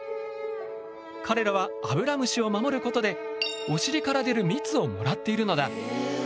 彼らはアブラムシを守ることでお尻から出る蜜をもらっているのだ。